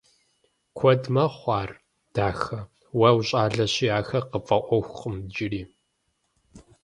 Куэд мэхъу ар, дахэ, уэ ущӀалэщи ахэр къыпфӀэӀуэхукъым иджыри.